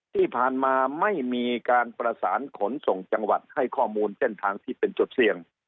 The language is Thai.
ที่ผ่านมาไม่มีการประสานขนส่งจังหวัดให้ข้อมูลเส้นทางที่เป็นจุดเสี่ยง